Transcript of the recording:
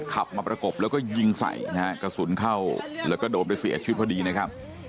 ขับมาประกบแล้วก็ยิงใส่นะฮะกระสุนเข้าแล้วก็โดนไปเสียชีวิตพอดีนะครับ